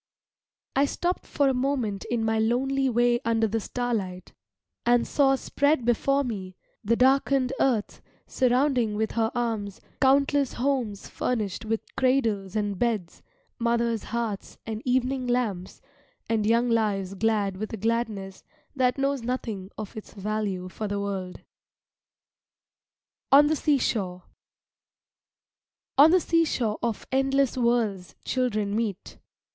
I stopped for a moment in my lonely way under the starlight, and saw spread before me the darkened earth surrounding with her arms countless homes furnished with cradles and beds, mothers' hearts and evening lamps, and young lives glad with a gladness that knows nothing of its value for the world. ON THE SEASHORE On the seashore of endless worlds children meet.